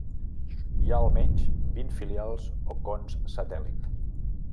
Hi ha almenys vint filials o cons satèl·lit.